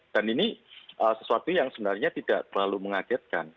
dan ini sesuatu yang sebenarnya tidak terlalu mengagetkan